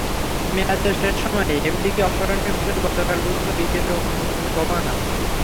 মেয়াদের শেষ সময়ে এমডিকে অপসারণের বিষয়ে গতকাল বুধবার বিকেলে অনুমোদন দেন গভর্নর।